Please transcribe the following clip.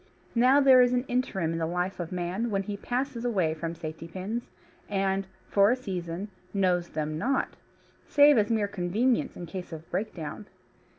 Now there is an interim in the life of man when he passes away from safety pins, and, for a season, knows them not save as mere convenience in case of breakdown.